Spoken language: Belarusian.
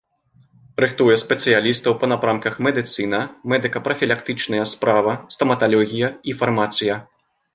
Рыхтуе спецыялістаў па напрамках медыцына, медыка-прафілактычная справа, стаматалогія і фармацыя.